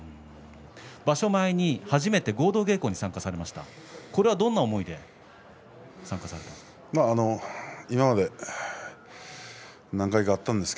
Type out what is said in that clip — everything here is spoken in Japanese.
場所前に初めて合同稽古に参加されましたどんな思いで参加されたんですか。